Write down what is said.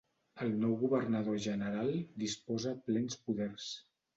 El nou governador general disposa plens poders.